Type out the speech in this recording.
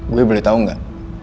gue boleh tau gak